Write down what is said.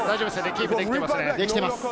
キープできていますね。